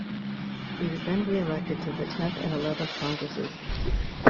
He was then re-elected to the Tenth and Eleventh Congresses.